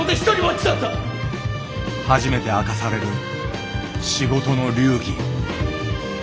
初めて明かされる仕事の流儀。